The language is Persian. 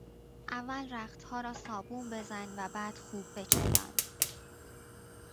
اول رختها را صابون بزن و بعد خوب بچلان!